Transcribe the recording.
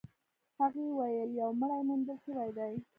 هغې وويل يو مړی موندل شوی دی.